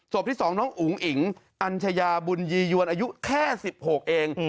ที่๒น้องอุ๋งอิ๋งอัญชยาบุญยียวนอายุแค่๑๖เอง